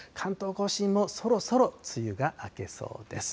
甲信もそろそろ梅雨が明けそうです。